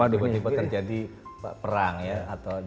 tiba tiba terjadi perang ya